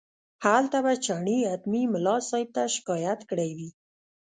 هلته به چڼي حتمي ملا صاحب ته شکایت کړی وي.